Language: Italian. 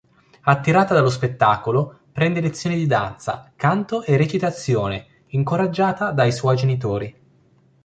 Attirata dallo spettacolo prende lezioni di danza, canto e recitazione, incoraggiata dai suoi genitori.